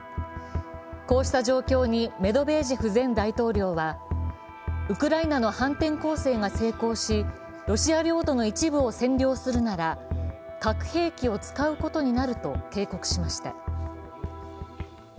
こうした状況にメドベージェフ前大統領はウクライナの反転攻勢が成功しロシア領土の一部を占領するなら核兵器を使うことになると警告しました。